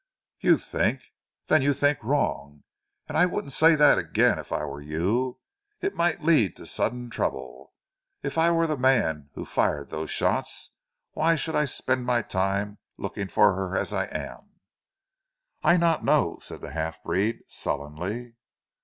"You think? Then you think wrong, and I wouldn't say that again if I were you. It might lead to sudden trouble. If I were the man who fired those shots why should I be spending my time looking for her as I am?" "I not know," said the half breed sullenly.